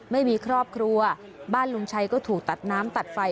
ไม่มีครอบครัวบ้านลุงชัยก็ถูกตัดน้ำตัดไฟ